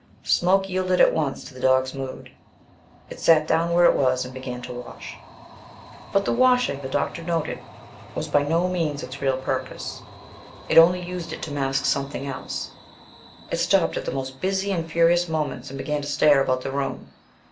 Smoke yielded at once to the dog's mood; it sat down where it was and began to wash. But the washing, the doctor noted, was by no means its real purpose; it only used it to mask something else; it stopped at the most busy and furious moments and began to stare about the room.